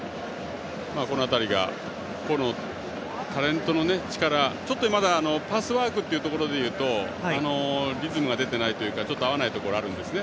この辺りが個のタレントの力ちょっとまだパスワークで言うとリズムが出てないというか合わないところがあるんですね。